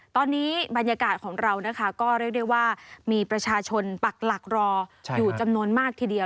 ตอนนี้บรรยากาศของเรานะคะก็เรียกได้ว่ามีประชาชนปักหลักรออยู่จำนวนมากทีเดียว